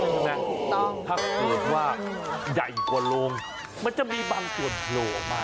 ใช่ไหมถ้าเกิดว่าใหญ่กว่าลงมันจะมีบางส่วนโหลมาก